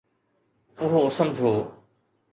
اهو سمجھو